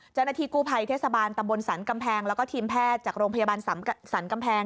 เจ้าหน้าที่กู้ภัยเทศบาลตำบลสรรกำแพงแล้วก็ทีมแพทย์จากโรงพยาบาลสรรกำแพง